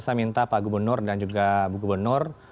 saya minta pak gubernur dan juga bu gubernur